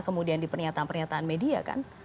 kemudian di pernyataan pernyataan media kan